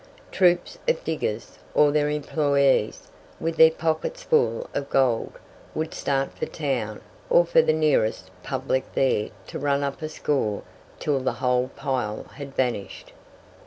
Troops of diggers, or their employees, with their pockets full of gold, would start for town, or for the nearest "public," there to run up a score till the whole "pile" had vanished.